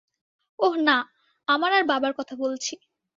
ওহ না, আমার আর বাবার কথা বলছি।